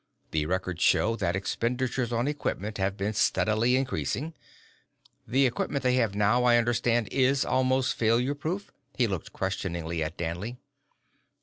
The records show that expenditures on equipment has been steadily increasing. The equipment they have now, I understand, is almost failure proof?" He looked questioningly at Danley.